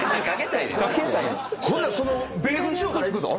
ほんだらその米軍仕様からいくぞ？